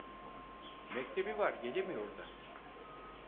Mektebi var gelemiyor da.